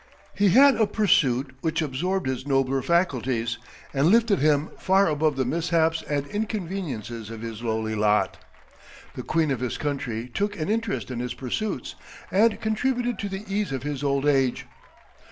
He had a pursuit which absorbed his nobler faculties, and lifted him far above the mishaps and inconveniences of his lowly lot. The queen of his country took an interest in his pursuits, and contributed to the ease of his old age.